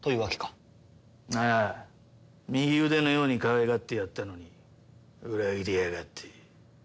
右腕のようにかわいがってやったのに裏切りやがって。